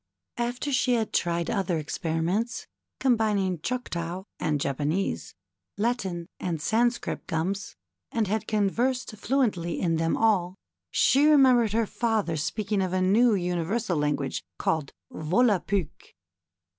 THE CHILDREN'S WONDER BOOK. 170 After she had tried other experiments, combining Choctaw and Japanese, Latin and Sanscrit gums, and had conversed fluently in them all, she remembered her father speaking of a new universal language called Volapuk.